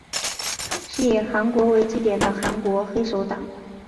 是以韩国为据点的韩国黑手党。